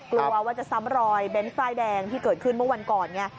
กลัวว่าจะซ้ำรอยเบนส์ป้ายแดงที่เกิดขึ้นเมื่อวันก่อนไง